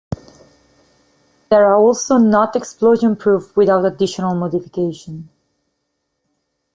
They are also not explosion proof without additional modifications.